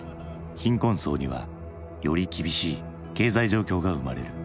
貧困層にはより厳しい経済状況が生まれる。